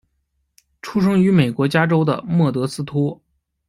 出生于美国加州的莫德斯托。